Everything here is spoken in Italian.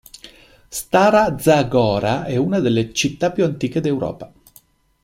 Stara Zagora è una delle città più antiche d'Europa.